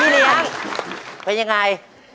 พี่เรียกเป็นยังไง